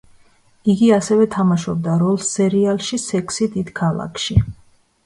იგი ასევე თამაშობდა როლს სერიალში „სექსი დიდ ქალაქში“.